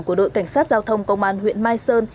của đội cảnh sát giao thông công an huyện mai sơn